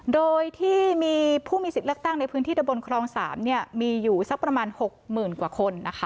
โดยที่ผู้มีสิทธิ์เลือกตั้งในพื้นที่ตรวจดูแลครองสามมีอยู่ประมาณ๖หมื่นกว่าคน